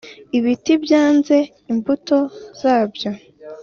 ibiti byeze imbuto zabyo,